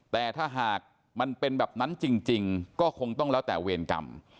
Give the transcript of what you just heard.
แต่ถ้าหากมันเป็นแบบนั้นจริงก็คงต้องแล้วแต่เวรกรรม